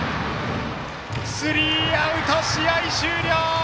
スリーアウト、試合終了！